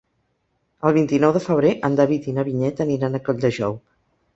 El vint-i-nou de febrer en David i na Vinyet aniran a Colldejou.